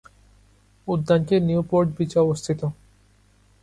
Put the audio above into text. উদ্যানটি নিউপোর্ট বিচে অবস্থিত।